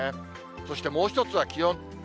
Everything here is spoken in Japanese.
そしてもう一つは気温。